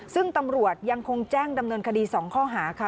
ซึ่งตำรวจยังคงแจ้งดำเนินคดี๒ข้อหาค่ะ